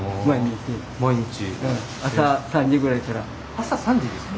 朝３時ですか？